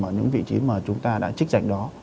ở những vị trí mà chúng ta đã chích giải đó